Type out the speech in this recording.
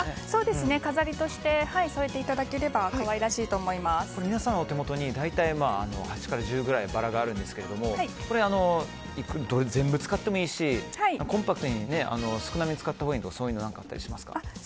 飾りとして添えていただければ皆さんのお手元に大体８から１０ぐらいバラがあるんですが全部使ってもいいしコンパクトに少なめに使ってもいいとかあったりしますか？